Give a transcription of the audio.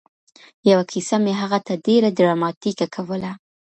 یوه کیسه مې هغه ته ډېره ډراماتيکه کوله